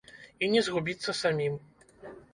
І не згубіцца самім.